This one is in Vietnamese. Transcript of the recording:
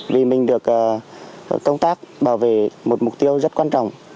vì mình được công tác bảo vệ một mục tiêu rất quan trọng